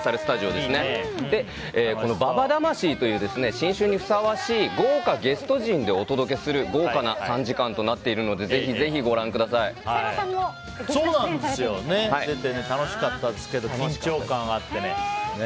ＢＡＢＡ魂という新春にふさわしい豪華ゲスト陣でお届けする豪華な３時間となっているので設楽さんもご出演されて。